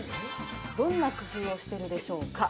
どんな工夫をしてるでしょうか。